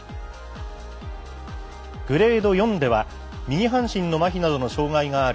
グレード４では右半身のまひなどの障がいがある